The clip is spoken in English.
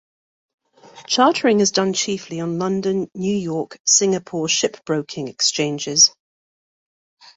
Chartering is done chiefly on London, New York, Singapore shipbroking exchanges.